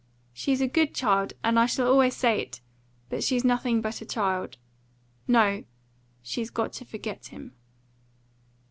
She's a good child, and I shall always say it; but she's nothing but a child. No, she's got to forget him."